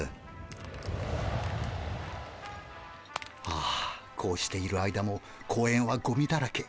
あこうしている間も公園はゴミだらけ。